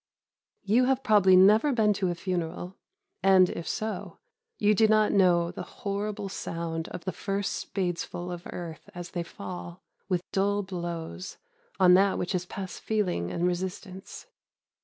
"You have probably never been to a funeral, and if so, you do not know the horrible sound of the first spadesful of earth as they fall, with dull blows, on that which is past feeling and resistance.